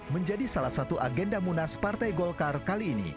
menjadi salah satu agenda munas partai golkar kali ini